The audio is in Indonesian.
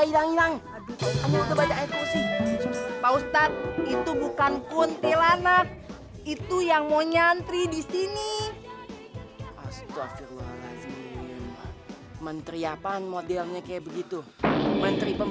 itu bukan menteri itu santri